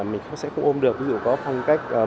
mình sẽ ôm được ví dụ có phong cách